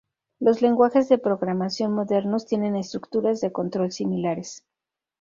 Los lenguajes de programación modernos tienen estructuras de control similares.